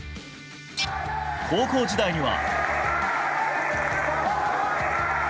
高校時代には。